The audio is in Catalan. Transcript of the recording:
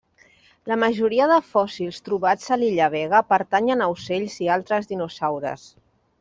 La majoria de fòssils trobats a l'illa Vega pertanyen a ocells i altres dinosaures.